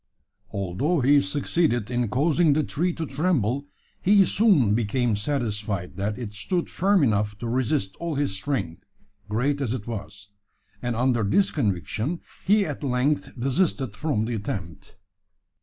Although he succeeded in causing the tree to tremble, he soon became satisfied that it stood firm enough to resist all his strength, great as it was: and under this conviction he at length desisted from the attempt.